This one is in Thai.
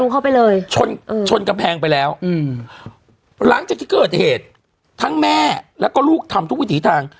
เข้าไปเลยชนชนกำแพงไปแล้วอืมหลังจากที่เกิดเหตุทั้งแม่แล้วก็ลูกทำทุกวิถีทาง